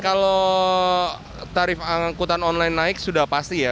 kalau tarif angkutan online naik sudah pasti ya